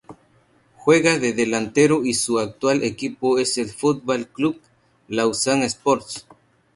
Juega de delantero y su actual equipo es el Football Club Lausanne Sports.